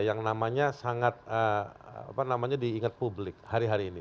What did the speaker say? yang namanya sangat diingat publik hari hari ini